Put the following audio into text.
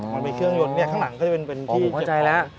มันเป็นเครื่องยนต์ข้างหลังก็จะเป็นที่เจ็บของ